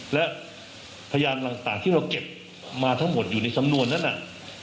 และพยานต่างที่เราเก็บมาทั้งหมดอยู่ในสำนวนนั้นน่ะ